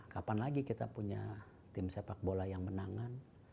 kapan lagi kita punya tim sepak bola yang menangan